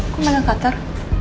kok malah katar